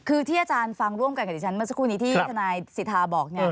คือที่อาจารย์ฟังร่วมกันกับดิฉันเมื่อสักครู่นี้ที่ทนายสิทธาบอก